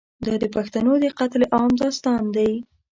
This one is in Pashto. دا د پښتنو د قتل عام داستان دی.